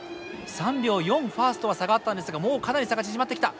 ３秒４ファースとは差があったんですがもうかなり差が縮まってきた！